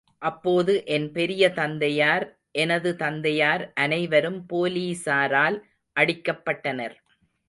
அப்போது என் பெரிய தந்தையார், எனது தந்தையார் அனைவரும் போலீஸாரால் அடிக்கப்பட்டனர்.